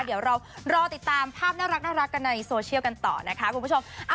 เดี๋ยวเรารอติดตามภาพน่ารักกันในโซเชียลกันต่อนะคะคุณผู้ชม